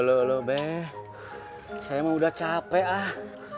lolo be saya mah udah capek ah